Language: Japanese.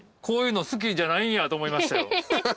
こういうの好きじゃないんやと思いましたよ。